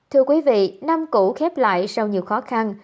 thưa quý vị năm cũ khép lại sau nhiều khó khăn